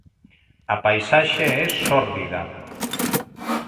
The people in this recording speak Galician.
A paisaxe é sórdida.